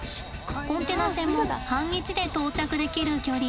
コンテナ船も半日で到着できる距離。